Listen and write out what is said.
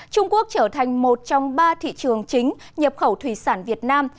trung quốc trở thành một trong ba thị trường chính nhập khẩu thủy sản việt nam